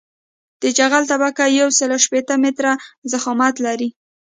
د جغل طبقه یوسل شپیته ملي متره ضخامت لري